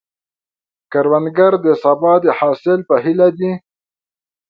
کروندګر د سبا د حاصل په هیله دی